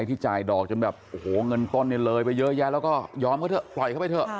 ที่จ่ายดอกจนแบบโอ้โหเงินต้นเนี่ยเลยไปเยอะแยะแล้วก็ยอมเขาเถอะปล่อยเข้าไปเถอะ